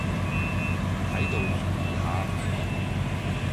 喺度聯誼下